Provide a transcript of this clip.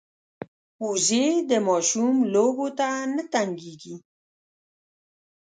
وزې د ماشوم لوبو ته نه تنګېږي